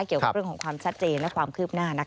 เกี่ยวกับเรื่องของความชัดเจนและความคืบหน้า